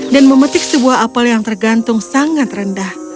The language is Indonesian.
dan memetik sebuah apel yang tergantung sangat rendah